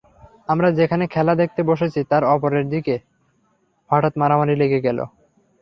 আমরা যেখানে খেলা দেখতে বসেছি, তার ওপরের দিকে হঠাৎ মারামারি লেগে গেল।